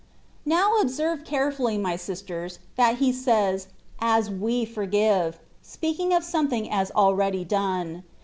Now, observe carefully, my sisters, that He says, ^' As we forgive," speaking of something as already done.